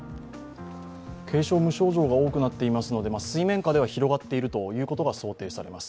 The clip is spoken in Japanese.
軽症、無症状が多くなっていますので、水面下では広がっていることが想像されます。